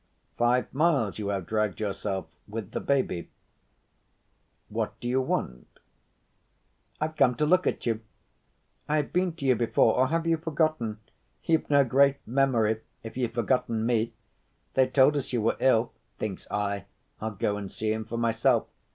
"Five miles you have dragged yourself with the baby. What do you want?" "I've come to look at you. I have been to you before—or have you forgotten? You've no great memory if you've forgotten me. They told us you were ill. Thinks I, I'll go and see him for myself.